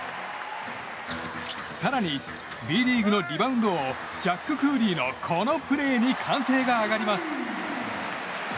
更に、Ｂリーグのリバウンド王ジャック・クーリーのこのプレーに歓声が上がります。